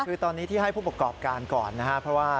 คือตอนนี้ที่ให้ผู้ประกอบการก่อนนะครับเพราะว่า